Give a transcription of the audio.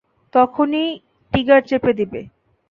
তখনই ট্রিগার চেপে দিবে।